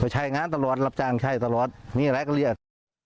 ใช่งานตลอดรับจ้างใช่ตลอดมีอะไรก็เรียก